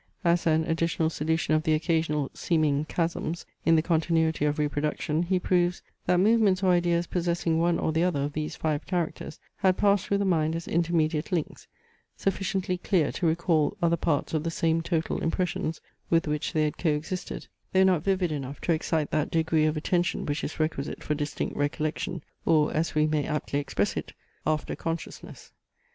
As an additional solution of the occasional seeming chasms in the continuity of reproduction he proves, that movements or ideas possessing one or the other of these five characters had passed through the mind as intermediate links, sufficiently clear to recall other parts of the same total impressions with which they had co existed, though not vivid enough to excite that degree of attention which is requisite for distinct recollection, or as we may aptly express it, after consciousness.